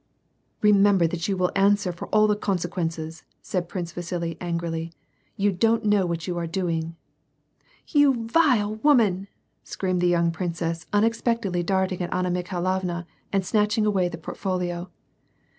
" Roinember that you will answer for all the consequences, said Prince Vasili, angrily : "you don't know what you are dc ing."^ " You vile woman," screamed the young princess, unexpect edly darting at Anna Mikhailovna, and snatching away the portfolio.